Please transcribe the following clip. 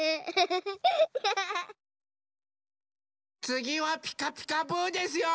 つぎは「ピカピカブ！」ですよ。